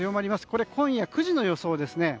これは今夜９時の予想ですね。